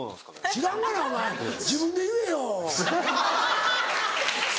知らんがなお前自分で言えよ。